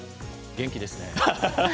元気ですねぇ。